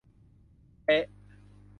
เป๊ะ